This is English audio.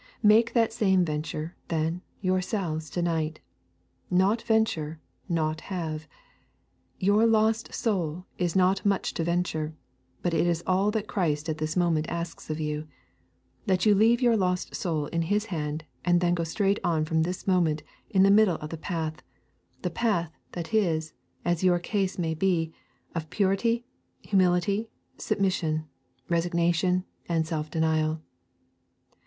Make the same venture, then, yourselves to night. Naught venture, naught have. Your lost soul is not much to venture, but it is all that Christ at this moment asks of you that you leave your lost soul in His hand, and then go straight on from this moment in the middle of the path: the path, that is, as your case may be, of purity, humility, submission, resignation, and self denial.